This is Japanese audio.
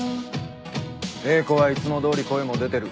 英子はいつもどおり声も出てる。